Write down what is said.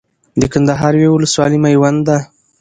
د کندهار يوه ولسوالي ميوند ده